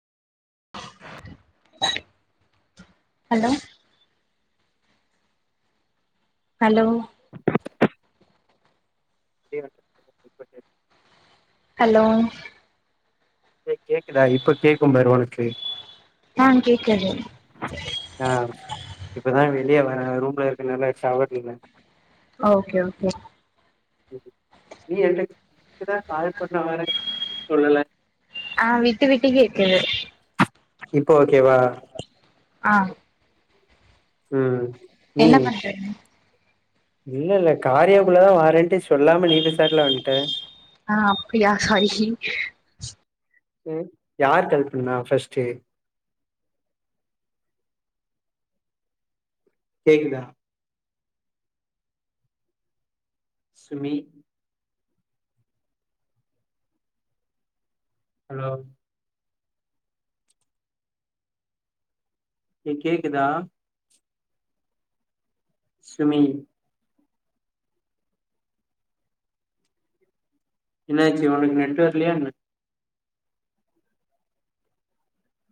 hello hello [inaudible] hello கேக்குதா இப்ப கேக்கும் பாரு உனக்கு ஆ கேக்குது ஆ இப்பதா வெளிய வர ரூம்ல இருக்கனால டவர்ல்ல ஓகே ஓகே நீ எனக்குதா கால் பண்ண வர சொல்லல ஆ விட்டு விட்டு கேக்குது இப்ப ஓகேவா ஆ ம் என்ன ம் பண்றீங்க இல்ல இல்ல காரியாக்குள்ளதா வாரென்ட்டு சொல்லாம நீ பெசாட்ல வன்ட்ட ஆ அப்டியா சாரி யாரு கால் பண்ணா ஃபஸ்ட்டு கேக்குதா சுமி ஹலோ ஏ கேக்குதா சுமி என்னாச்சி ஒனக்கு நெட்டு வர்லயாயென்ன